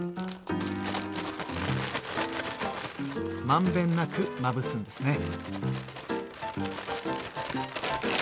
まんべんなくまぶすんですね。